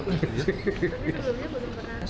tapi sebelumnya belum pernah